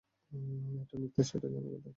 এটা মিথ্যা সেটা জানা কথাই!